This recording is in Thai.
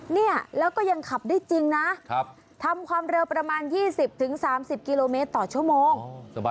เนี่ยแล้วก็ยังขับได้จริงนะทำความเร็วประมาณ๒๐๓๐กิโลเมตรต่อชั่วโมง